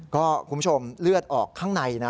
ก็คุณผู้ชมเลือดออกข้างในนะ